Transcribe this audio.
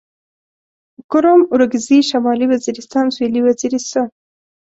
کرم اورکزي شمالي وزيرستان سوېلي وزيرستان